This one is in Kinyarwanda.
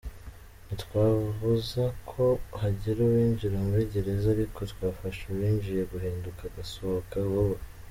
"Ntitwabuza ko hagira uwinjira muri gereza ariko twafasha uwinjiye guhinduka agasohoka vuba.